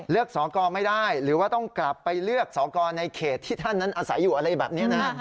สอกรไม่ได้หรือว่าต้องกลับไปเลือกสอกรในเขตที่ท่านนั้นอาศัยอยู่อะไรแบบนี้นะฮะ